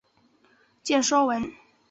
见说文。